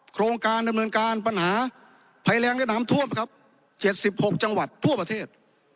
โครงการดำเนินการปัญหาภัยแรงและน้ำท่วมครับ๗๖จังหวัดทั่วประเทศ